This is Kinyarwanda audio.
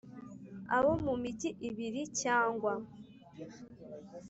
Abo mu migi ibiri cyangwa